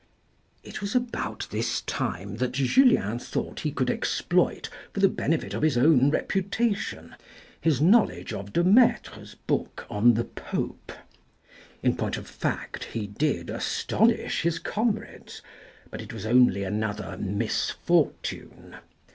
It was about this time that Julien thought he could exploit, for the benefit of his own reputation, his knowledge of De FIRST EXPERIENCE OF LIFE 195 Maistre's book on the Pope. In point of fact, he did astonish his comrades, but it was only another misfortune.